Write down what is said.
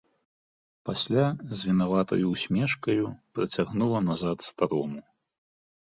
Пасля з вінаватаю ўсмешкаю працягнула назад старому.